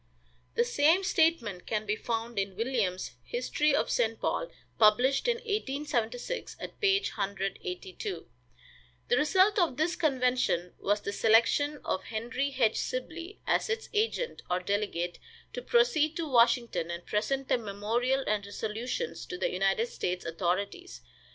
The same statement can be found in Williams' "History of St. Paul," published in 1876, at page 182. The result of this convention was the selection of Henry H. Sibley as its agent or delegate, to proceed to Washington and present the memorial and resolutions to the United States authorities.